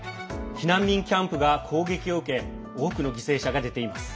避難民キャンプが攻撃を受け多くの犠牲者が出ています。